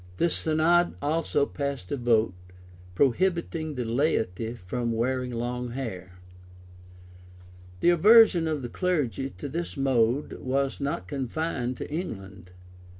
The synod also passed a vote, prohibiting the laity from wearing long hair.[] The aversion of the clergy to this mode was not confined to England.